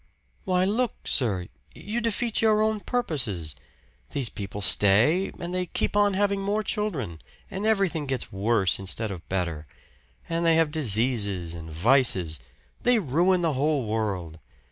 Why, look, sir you defeat your own purposes! These people stay, and they keep on having more children, and everything gets worse instead of better; and they have diseases and vices they ruin the whole world.